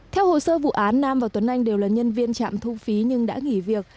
theo hồ sơ vụ án nam và tuấn anh đều là nhân viên trạm thu phí nhưng đã nghỉ việc